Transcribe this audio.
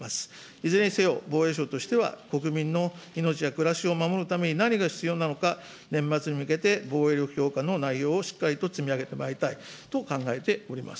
いずれにせよ、防衛省としては国民の命や暮らしを守るために何が必要なのか、年末に向けて、防衛力強化の内容をしっかりと積み上げてまいりたいと考えております。